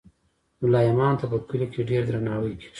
ملا امام ته په کلي کې ډیر درناوی کیږي.